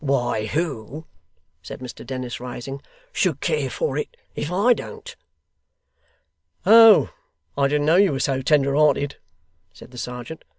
'Why, who,' said Mr Dennis rising, 'should care for it, if I don't?' 'Oh! I didn't know you was so tender hearted,' said the serjeant.